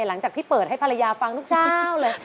หลังจากที่เปิดให้ภรรยาฟังทุกเช้าเลย